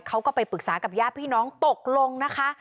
เขาก็ไปปรึกษากับญาติพี่น้องตกลงนะคะ